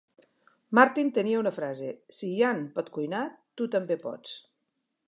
Martin tenia una frase, Si Yan pot cuinar, tu també pots!